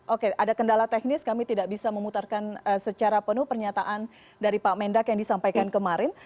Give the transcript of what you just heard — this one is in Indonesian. oke ada kendala teknis kami tidak bisa memutarkan secara penuh pernyataan dari pak mendak yang disampaikan kemarin